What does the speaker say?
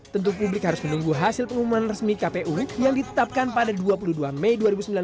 tentu publik harus menunggu hasil pengumuman resmi kpu yang ditetapkan pada dua puluh dua mei dua ribu sembilan belas